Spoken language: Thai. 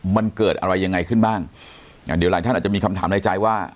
มันเกิดอะไรยังไงขึ้นบ้างอ่าเดี๋ยวหลายท่านอาจจะมีคำถามในใจว่า